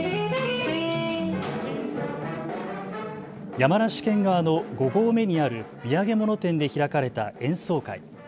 山梨県側の５合目にある土産物店で開かれた演奏会。